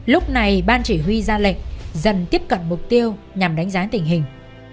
lúc này ban chỉ huy ra lệch dần tiếp cận mục tiêu nhằm đánh giá tình hình